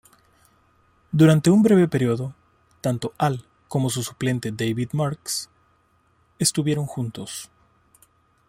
Durante un breve período, tanto Al como su suplente David Marks, estuvieron juntos.